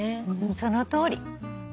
そのとおり！